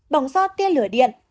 bỏng do tiên lửa điện